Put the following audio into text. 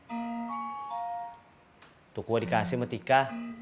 untuk gue dikasih sama tika